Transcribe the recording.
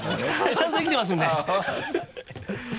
ちゃんと生きてますんで